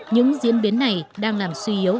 những diễn biến này đang làm suy yếu